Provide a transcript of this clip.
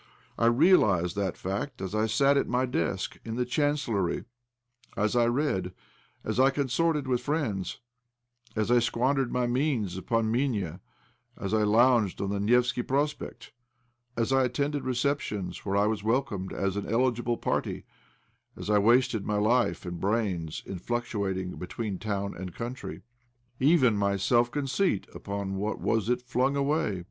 I realized that fact as I sat at my desk in the chancellory, as I read, as I consorted with friends, as I squandered my means upon Minia, as I lounged on the Nevski Prospect, as I attended receptions where I was welcomed as an eligible parti, as I wasted my life and brains in fluctuating between town and country. Even my self conceit — upon what was it flung away?